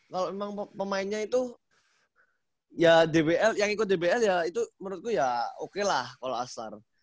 kalau memang pemainnya itu ya yang ikut dbl ya itu menurutku ya oke lah kalau asar